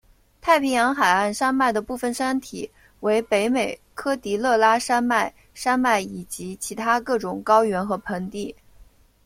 太平洋海岸山脉的部分山体为北美科迪勒拉山脉山脉以及其他各种高原和盆地。